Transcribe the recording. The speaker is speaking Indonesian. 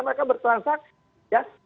mereka bertransak ya